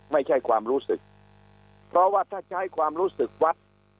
ไม่ใช่ความรู้สึกเพราะว่าถ้าใช้ความรู้สึกวัด